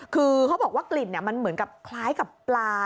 คือเขาบอกว่ากลิ่นมันเหมือนกับคล้ายกับปลา